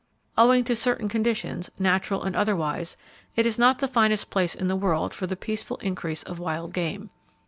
Owing to certain conditions, natural and otherwise, it is not the finest place in the world for the peaceful increase of wild game.